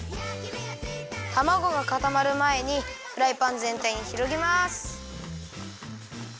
たまごがかたまるまえにフライパンぜんたいにひろげます。